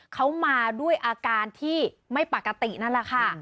เขามาด้วยอาการที่ไม่ปกตินั่นแหละค่ะ